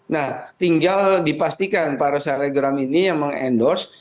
nah tinggal dipastikan para salegram ini yang meng endorse